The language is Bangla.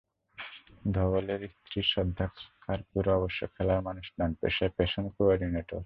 ধবলের স্ত্রী শ্রদ্ধা খারপুড়ে অবশ্য খেলার মানুষ নন, পেশায় ফ্যাশন কো-অর্ডিনেটর।